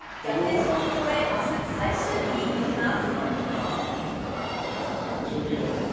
賞金王へ明日、最終日に挑みます。